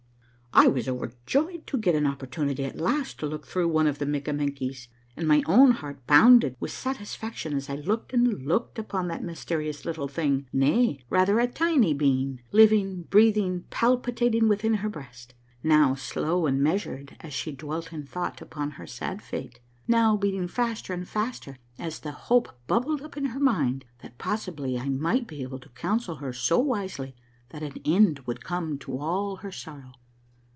I was overjoyed to get an opportunity at last to look through one of the Mikkamenkies, and my own heart bounded with satis faction as I looked and looked upon that mysterious little thing, nay, rather a tiny being, living, breathing, palpitating within her breast ; now slow and measured as she dwelt in thought upon her sad fate, now beating faster and faster as the hope A MARVELLOUS UNDERGROUND JOURNEY 77 bubbled up in her mind that possibly I might be able to counsel her so wisely that an end would come to all her sorrow.